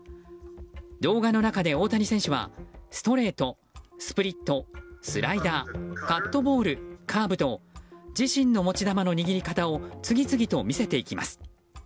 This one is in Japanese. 動画の中で大谷選手はストレート、スプリットスライダー、カットボールカーブと、自身の持ち球の握り方を次々と見せていきます。